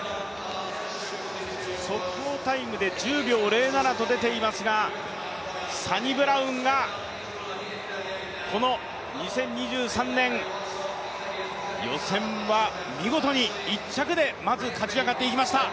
速報タイムで１０秒０７と出ていますが、サニブラウンがこの２０２３年予選は見事に１着でまず勝ち上がっていきました。